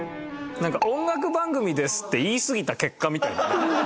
なんか「音楽番組です」って言いすぎた結果みたいだね。